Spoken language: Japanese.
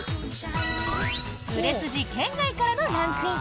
売れ筋圏外からのランクイン。